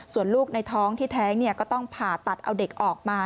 ส่วนลูกในท้องที่แท้งก็ต้องผ่าตัดเอาเด็กออกมา